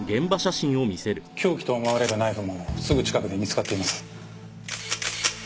凶器と思われるナイフもすぐ近くで見つかっています。